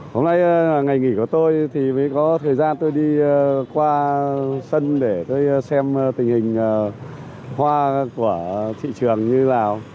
hôm nay ngày nghỉ của tôi thì mới có thời gian tôi đi qua sân để tôi xem tình hình hoa của thị trường như lào